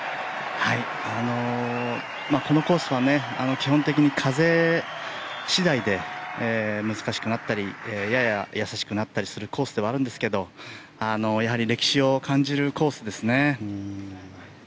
このコースは基本的に風次第で難しくなったりやや易しくなったりするコースではあるんですがやはり歴史を感じるコースですね。